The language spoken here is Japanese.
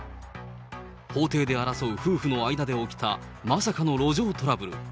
法廷で争う夫婦の間で起きた、まさかの路上トラブル。